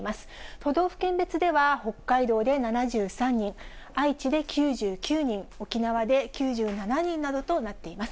都道府県別では、北海道で７３人、愛知で９９人、沖縄で９７人などとなっています。